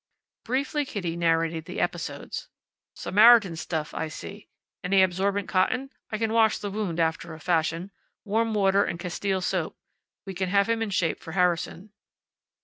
Briefly Kitty narrated the episodes. "Samaritan stuff. I see. Any absorbent cotton? I can wash the wound after a fashion. Warm water and Castile soap. We can have him in shape for Harrison."